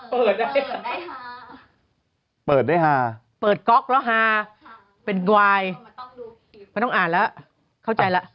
เปิดได้ฮาเปิดได้ฮาเปิดก๊อกแล้วฮาเป็นกวายไม่ต้องอ่านแล้วเข้าใจแล้ว